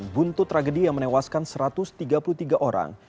buntu tragedi yang menewaskan satu ratus tiga puluh tiga orang